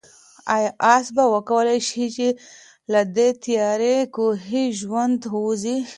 آیا آس به وکولای شي چې له دې تیاره کوهي ژوندی ووځي؟